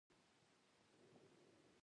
یعنې کولای شي زموږ چلند وټاکي.